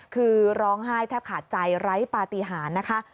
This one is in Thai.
คือร้องไห้แทบขาดใจไร้ปฏิหารนะคะ